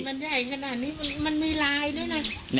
มันใหญ่ขนาดนี้มันมีลายด้วยนะ